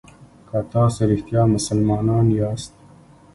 که تاسو رښتیا مسلمانان یاست.